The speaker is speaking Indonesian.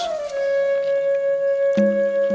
umur mau minta bungkus